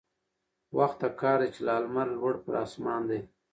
وخت د كار دى چي لا لمر لوړ پر آسمان دى